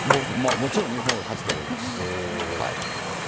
もちろん日本が勝つと思います。